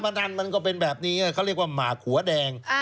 ดันมันก็เป็นแบบนี้เขาเรียกว่าหมากขัวแดง